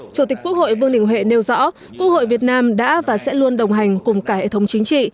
chủ tịch quốc hội vương đình huệ nêu rõ quốc hội việt nam đã và sẽ luôn đồng hành cùng cả hệ thống chính trị